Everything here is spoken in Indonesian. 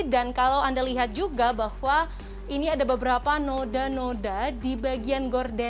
dan kalau anda lihat juga bahwa ini ada beberapa noda noda di bagian